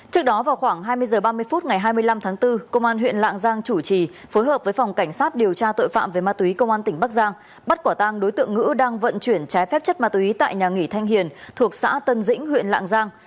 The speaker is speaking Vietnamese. trước đó vào khoảng hai mươi h ba mươi phút ngày hai mươi năm tháng bốn công an huyện lạng giang chủ trì phối hợp với phòng cảnh sát điều tra tội phạm về ma túy công an tỉnh bắc giang bắt quả tang đối tượng ngữ đang vận chuyển trái phép chất ma túy tại nhà nghỉ thanh hiền thuộc xã tân dĩnh huyện lạng giang